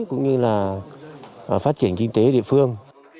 cũng như là phát triển kinh tế địa phương